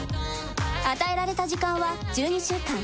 与えられた時間は１２週間。